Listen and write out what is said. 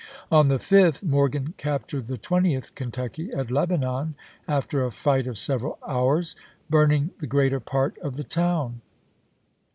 On the 5th Morgan captured the Twentieth Kentucky at Lebanon, after a fight of several hours, burning the greater part of the town.